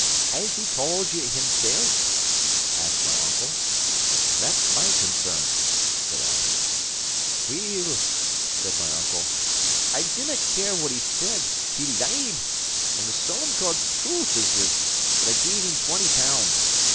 "Has he tauld ye himsel'?" asked my uncle. "That's my concern," said Alan. "Weel," said my uncle, "I dinnae care what he said, he leed, and the solemn God's truth is this, that I gave him twenty pound.